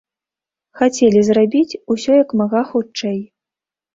Хацелі зрабіць усё як мага хутчэй.